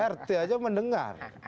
rt aja mendengar